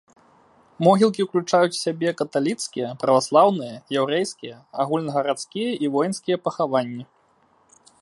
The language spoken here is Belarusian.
Могілкі ўключаюць у сябе каталіцкія, праваслаўныя, яўрэйскія, агульнагарадскія і воінскія пахаванні.